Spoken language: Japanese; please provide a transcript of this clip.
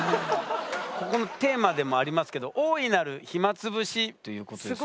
ここのテーマでもありますけど「大いなる暇つぶし」ということですけど。